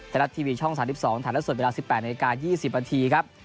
ไทยรัฐทีวีช่อง๓๒ถ่ายแล้วสดเวลา๑๘นาที๒๐นาทีครับ